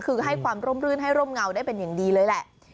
คือให้ความร่มรื่นให้ร่มเงาได้เป็นอย่างดีเลยแหละ